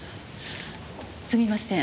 すみません。